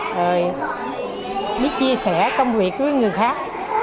rồi biết chia sẻ công việc với người khác